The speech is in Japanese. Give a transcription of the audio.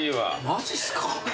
マジっすか？